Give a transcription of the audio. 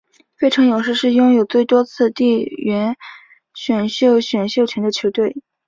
费城勇士是拥有最多次地缘选秀选秀权的球队。